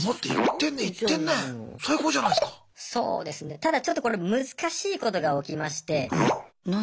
ただちょっとこれ難しいことが起きまして。